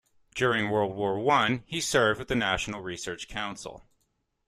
During World War One, he served with the National Research Council.